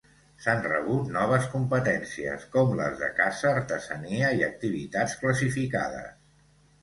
S'han rebut noves competències com les de Caça, Artesania i Activitats Classificades.